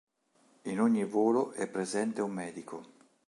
In ogni volo è presente un medico.